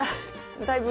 だいぶ。